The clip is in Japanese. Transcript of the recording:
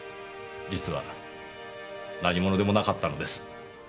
実は何者でもなかったのです。